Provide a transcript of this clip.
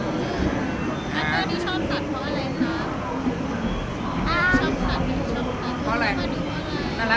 แล้วเมื่อนี้ชอบสัตว์เพราะอะไรคะ